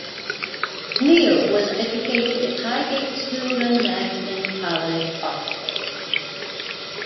Neill was educated at Highgate School and Magdalen College, Oxford.